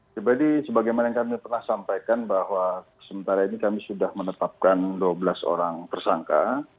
jadi sebagaimana kami pernah sampaikan bahwa sementara ini kami sudah menetapkan dua belas orang tersangka